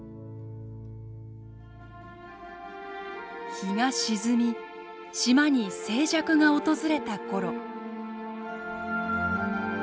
日が沈み島に静寂が訪れたころ。